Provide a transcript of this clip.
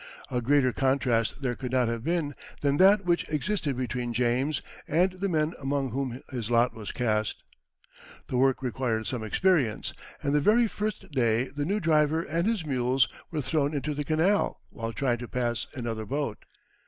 A greater contrast there could not have been than that which existed between James and the men among whom his lot was cast. The work required some experience, and the very first day the new driver and his mules were thrown into the canal, while trying to pass another boat.